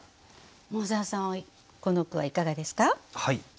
桃沢さんはこの句はいかがですか？